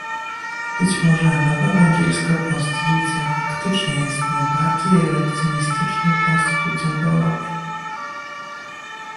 Być może nowa węgierska konstytucja faktycznie jest najbardziej reakcjonistyczną konstytucją w Europie